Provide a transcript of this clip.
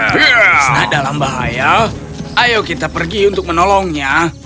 bisa dalam bahaya ayo kita pergi untuk menolongnya